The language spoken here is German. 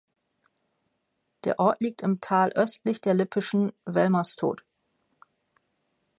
Der Ort liegt im Tal östlich der Lippischen Velmerstot.